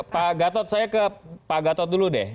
pak gatot saya ke pak gatot dulu deh